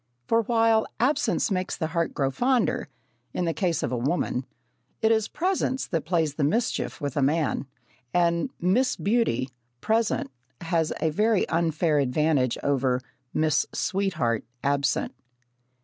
For while "absence makes the heart grow fonder" in the case of a woman, it is presence that plays the mischief with a man, and Miss Beauty present has a very unfair advantage over Miss Sweetheart absent.